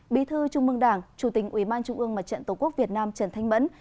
bí thư trung mương đảng chủ tình ủy ban trung ương mặt trận tổ quốc việt nam trần thanh mẫn